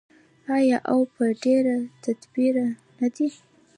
آیا او په ډیر تدبیر نه دی؟